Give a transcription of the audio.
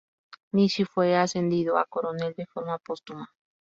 Nishi fue ascendido a coronel de forma póstuma.